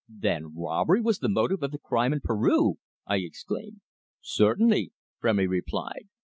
"Then robbery was the motive of the crime in Peru!" I exclaimed. "Certainly," Frémy replied.